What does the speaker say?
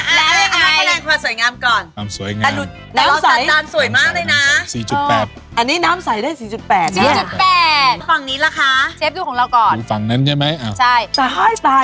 เอามาคะแนนควารสวยงามก่อน